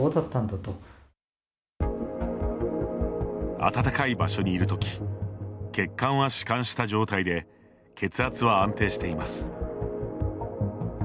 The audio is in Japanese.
温かい場所にいる時血管は弛緩した状態で血圧は安定しています。